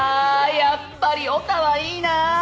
やっぱりオタはいいなあ。